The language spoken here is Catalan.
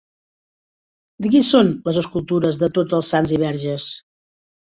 De qui són les escultures de tots els sants i Verges?